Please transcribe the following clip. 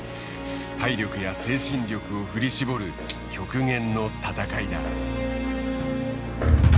体力や精神力を振り絞る極限の戦いだ。